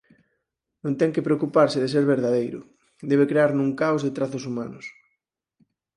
Non ten que preocuparse de ser verdadeiro; debe crear nun caos de trazos humanos.